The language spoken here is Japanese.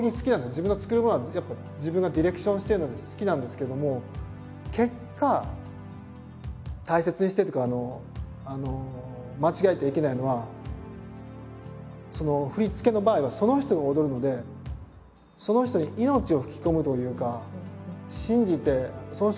自分が作るものはやっぱ自分がディレクションしてるので好きなんですけども結果大切にしてるっていうか間違えてはいけないのは振り付けの場合はその人が踊るのでどんなものだっていいんですよ。